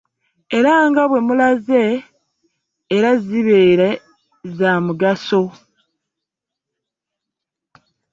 Era nga bwe mulaze era zibeere za mugaso